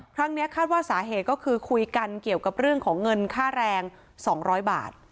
ครั้งนี้คาดว่าสาเหตุก็คือคุยกันเกี่ยวกับเรื่องของเงินค่าแรง๒๐๐บาท